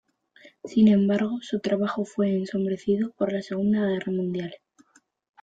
Sin embargo, su trabajo fue ensombrecido por la Segunda Guerra Mundial.